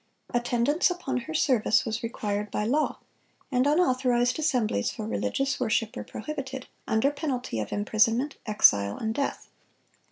Attendance upon her service was required by law, and unauthorized assemblies for religious worship were prohibited, under penalty of imprisonment, exile, and death.